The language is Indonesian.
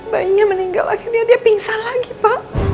bayinya meninggal akhirnya dia pingsan lagi pak